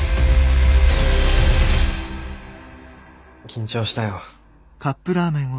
緊張したよ。